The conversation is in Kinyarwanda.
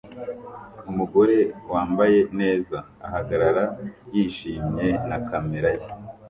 Umugore wambaye neza ahagarara yishimye na kamera ye